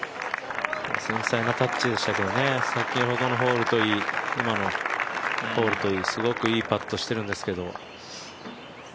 繊細なタッチでしたけどね、先ほどのホールといい、今のホールといい、すごくいいパットしてるんですけど。